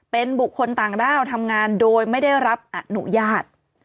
เป็นบุคคลต่างด้าวทำงานโดยไม่ได้รับอนุญาต